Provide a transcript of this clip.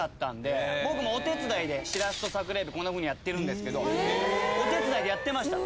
僕もお手伝いでしらすと桜えびこんなふうにやってるんですけどお手伝いでやってました。